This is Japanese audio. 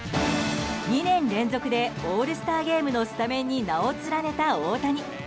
２年連続でオールスターゲームのスタメンに名を連ねた大谷。